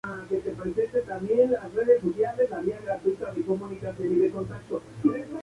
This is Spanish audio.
La cuarta mudanza se realiza a Villa Martelli, en la ubicación de la Av.